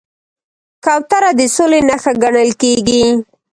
کوتره د سولې نښه ګڼل کېږي.